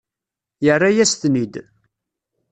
Yerra-yas-ten-id.